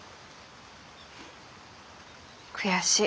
悔しい。